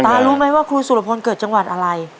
รู้ไหมว่าครูสุรพลเกิดจังหวัดอะไร